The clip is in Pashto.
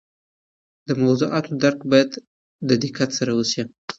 د موضوعات درک باید د دقت سره وسي.